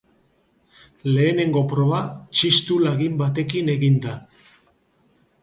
Lehenengo proba txistu lagin batekin egin da.